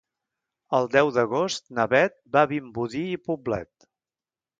El deu d'agost na Beth va a Vimbodí i Poblet.